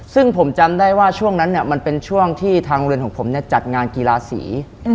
ซึ่งผมจำได้ว่าช่วงนั้นมันเป็นช่วงที่ทางโรงเรียนของผมจัดงานกีฬาสี